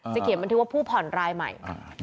เขียนบันทึกว่าผู้ผ่อนรายใหม่